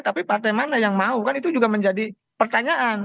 tapi partai mana yang mau kan itu juga menjadi pertanyaan